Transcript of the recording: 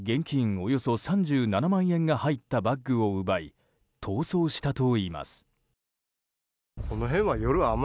およそ３７万円が入ったバッグを奪い逃走したといいます。